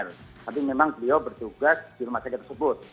tapi memang beliau bertugas di rumah sakit tersebut